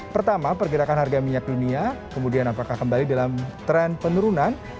pertama pergerakan harga minyak dunia kemudian apakah kembali dalam tren penurunan